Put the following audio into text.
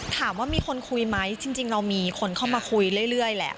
ถามว่ามีคนคุยไหมจริงเรามีคนเข้ามาคุยเรื่อยแหละ